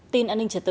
tin an ninh trật tự